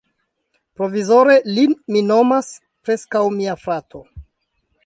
Provizore, lin mi nomas preskaŭ mia frato.